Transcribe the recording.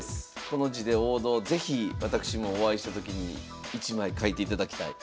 この字で「王道」是非私もお会いしたときに一枚書いていただきたい。